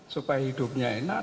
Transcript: supaya hidupnya enak